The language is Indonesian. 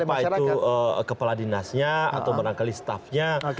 kita mau tahu apa itu kepala dinasnya atau barangkali staffnya